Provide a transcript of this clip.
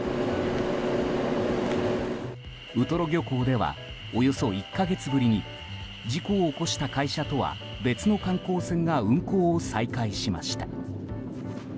ウトロ漁港ではおよそ１か月ぶりに事故を起こした会社とは別の観光船が運航を再開しました。